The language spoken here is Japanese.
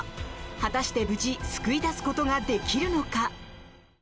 果たして無事救い出すことができるのか。